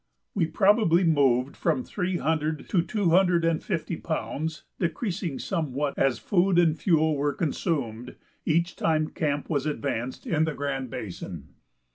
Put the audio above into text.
We probably moved from three hundred to two hundred and fifty pounds, decreasing somewhat as food and fuel were consumed, each time camp was advanced in the Grand Basin.